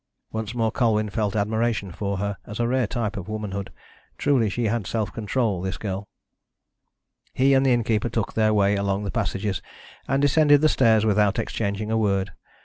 Once more Colwyn felt admiration for her as a rare type of woman hood. Truly, she had self control, this girl. He and the innkeeper took their way along the passages and descended the stairs without exchanging a word.